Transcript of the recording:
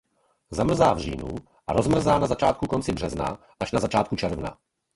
Zamrzá v říjnu a rozmrzá na konci března až na začátku června.